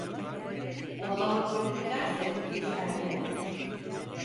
Palamut çok biterse kış erken olur.